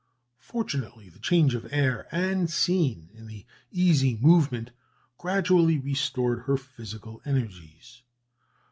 Fortunately, the change of air and scene, and the easy movement gradually restored her physical energies.